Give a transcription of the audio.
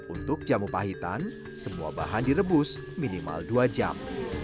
untuk jamu pahitan semua bahan direbus minimal dua jam